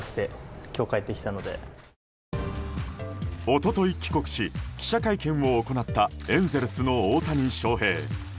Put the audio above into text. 一昨日、帰国し記者会見を行ったエンゼルスの大谷翔平。